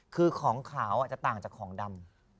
คือของขาวจะต่างจากของดำ